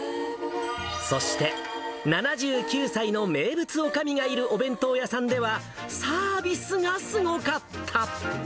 そして７９歳の名物おかみがいるお弁当屋さんでは、サービスがすごかった。